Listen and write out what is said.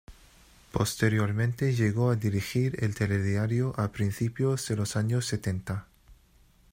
Posteriormente llegó a dirigir el "Telediario" a principios de los años setenta.